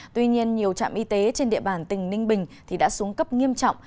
tuy nhiên nhiều trạm y tế trên địa bàn tỉnh ninh bình đã xuống cấp nghiêm trọng